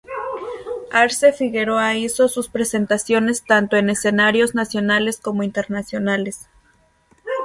Arce Figueroa hizo sus presentaciones tanto en escenarios nacionales como internacionales.